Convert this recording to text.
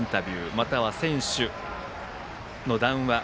または選手の談話